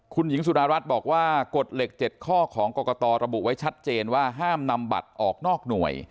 คุณหญิงสุดารัฐบอกว่ากฎเหล็ก๗ข้อของกรกตระบุไว้ชัดเจนว่าห้ามนำบัตรออกนอกหน่วย